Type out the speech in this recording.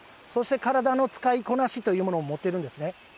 そして体の使いこなしというものを持ってるんですね。